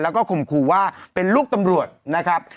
แล้วก็ข่มขู่ว่าเป็นลูกตำรวจนะครับ